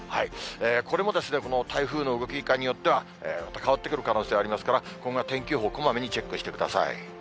これも、台風の動きいかんによっては、変わってくる可能性ありますから、今後の天気予報、こまめにチェックしてください。